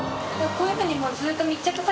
こういうふうに店主）